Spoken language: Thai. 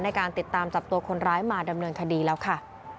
ในการติดตามจับตัวคนร้ายมาดำเนินคดีแล้วค่ะ